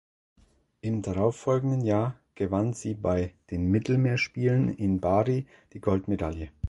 Im darauffolgenden Jahr gewann sie bei den Mittelmeerspielen in Bari die Goldmedaille.